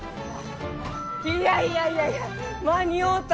いやいやいやいや間に合うた！